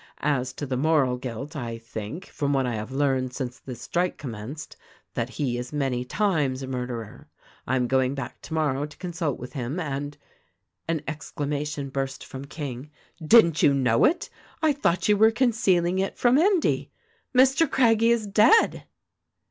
As to the moral guilt I think, from what I have learned since this strike com menced, that he is many times a murderer. I am going back tomorrow to consult with him, and " An exclamation burst from King: "Didn't you know it! I thought you were concealing it from Endy ! Mr. Craggie is dead."